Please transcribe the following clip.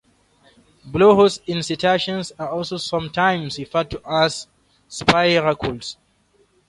Blowholes in cetaceans are also sometimes referred to as spiracles.